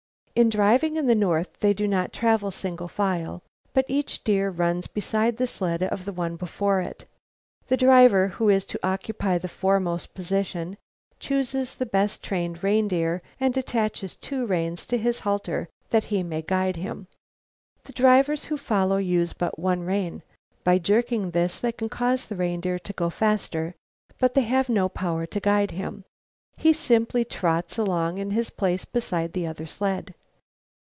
In driving in the north they do not travel single file, but each deer runs beside the sled of the one before it. The driver who is to occupy the foremost position chooses the best trained deer and attaches two reins to his halter that he may guide him. The drivers who follow use but one rein. By jerking this they can cause the reindeer to go faster, but they have no power to guide him. He simply trots along in his place beside the other sled.